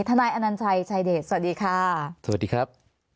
นายอนัญชัยชายเดชสวัสดีค่ะสวัสดีครับ